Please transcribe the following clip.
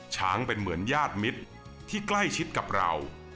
ช้างเป็นเหมือนญาติมิตรที่ใกล้ชิดกับเรา